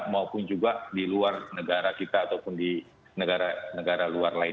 maupun juga di luar negara